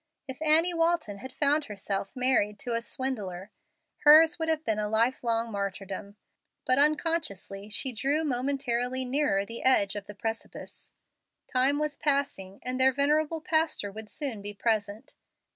If Annie Walton had found herself married to a swindler, hers would have been a life long martyrdom. But unconsciously she drew momentarily nearer the edge of the precipice. Time was passing, and their venerable pastor would soon be present.